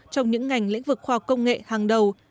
trong những ngành lĩnh vực khoa học công nghệ hàng đầu